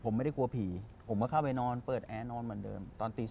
ไม่ต้องครับคุณหนุ่ม